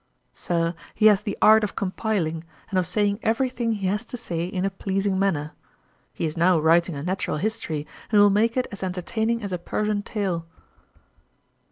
Sir, he has the art of compiling, and of saying every thing he has to say in a pleasing manner. He is now writing a Natural History and will make it as entertaining as a Persian Tale.'